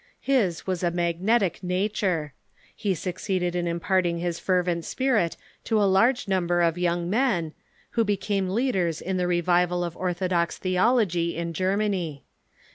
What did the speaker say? His was a magnetic nature. He succeeded in imparting his fervent spirit to a large number of young men, who became leaders in the revival of orthodox theology in Germany.